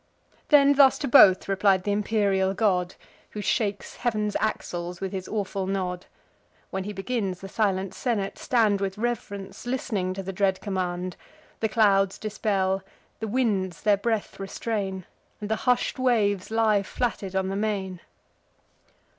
Then thus to both replied th' imperial god, Who shakes heav'n's axles with his awful nod. (When he begins, the silent senate stand With rev'rence, list'ning to the dread command: The clouds dispel; the winds their breath restrain; And the hush'd waves lie flatted on the main.)